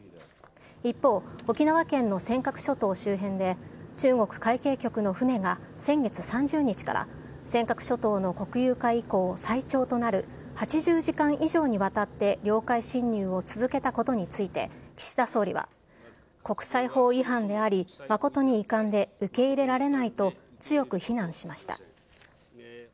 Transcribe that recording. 一方、沖縄県の尖閣諸島周辺で、中国海警局の船が先月３０日から尖閣諸島の国有化以降最長となる８０時間以上にわたって領海侵入を続けたことについて、岸田総理は、国際法違反であり、誠に遺憾で、受け入れられないと強く非難しました。